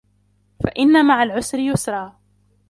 فَإِنَّ مَعَ العُسرِ يُسرًا